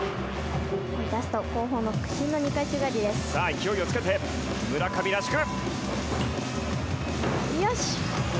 勢いをつけて、村上らしく。